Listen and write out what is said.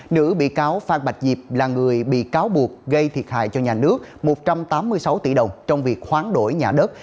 nữ bị cáo phan bạch diệp là người bị cáo buộc gây thiệt hại cho nhà nước một trăm tám mươi sáu tỷ đồng trong việc hoán đổi nhà đất